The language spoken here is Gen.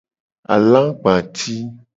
Alagba ti.